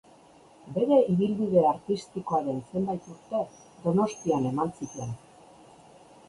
Bere ibilbide artistikoaren zenbait urte Donostian eman zituen.